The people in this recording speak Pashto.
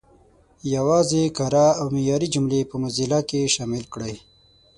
یوازې کره او معیاري جملې په موزیلا کې شامل کړئ.